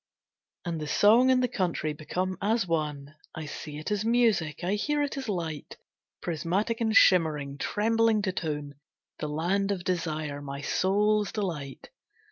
And the song and the country become as one, I see it as music, I hear it as light; Prismatic and shimmering, trembling to tone, The land of desire, my soul's delight.